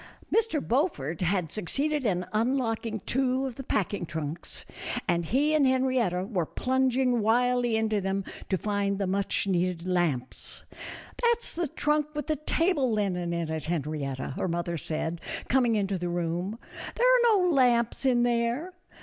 Mr. Beaufort had succeeded in unlocking two of the packing trunks, and he and Henrietta were plunging wildly into them to find the much needed lamps. "That's the trunk with the table linen in it, Henrietta," her mother said, coming into the room, "there are no lamps in there."